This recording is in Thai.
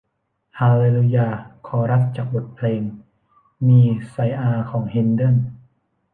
ฮาลเลลูยาคอรัสจากบทเพลงมีไซอาห์ของแฮนเดิล